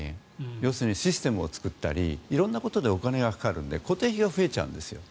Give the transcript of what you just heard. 要するにシステムを作ったり色んなことでお金がかかるので固定費が増えちゃうんですよ。